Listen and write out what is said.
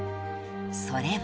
［それは］